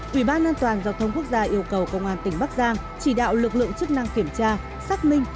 quỹ ban an toàn giao thông quốc gia yêu cầu công an tỉnh bắc giang chỉ đạo lực lượng chức năng kiểm tra xác minh